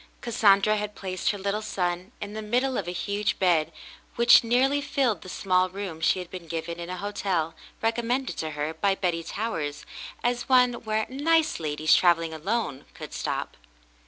Cassandra had placed her little son in the middle of a huge bed which nearly filled the small room she had been given in a hotel, recommended to her by Betty Towers as one where '*nice ladies travelling alone" could stop.